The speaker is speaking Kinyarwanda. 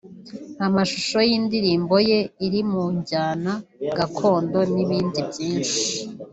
amashusho y’indirimbo ye iri mu njyana gakondo n’ibindi byinshi